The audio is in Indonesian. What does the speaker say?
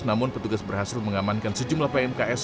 namun petugas berhasil mengamankan sejumlah pmks